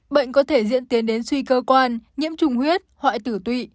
bệnh có thể diễn tiến đến suy cơ quan nhiễm trùng huyết hoại tử tụy